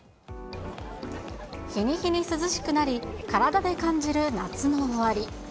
日に日に涼しくなり、体で感じる夏の終わり。